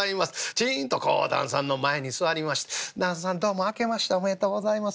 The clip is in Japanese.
ちんとこう旦さんの前に座りまして「旦さんどうも明けましておめでとうございます。